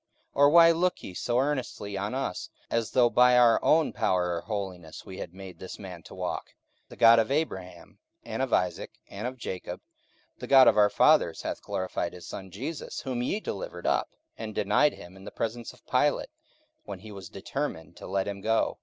or why look ye so earnestly on us, as though by our own power or holiness we had made this man to walk? 44:003:013 The God of Abraham, and of Isaac, and of Jacob, the God of our fathers, hath glorified his Son Jesus; whom ye delivered up, and denied him in the presence of Pilate, when he was determined to let him go.